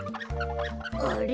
あれ？